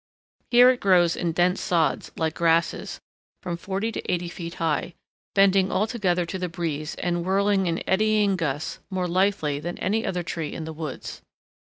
Here it grows in dense sods, like grasses, from forty to eighty feet high, bending all together to the breeze and whirling in eddying gusts more lithely than any other tree in the woods.